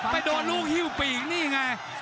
ไปโดนลูกหิ้วปีกนี่ไง